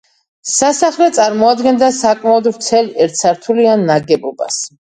სასახლე წარმოადგენდა საკმაოდ ვრცელ ერთსართულიან ნაგებობას.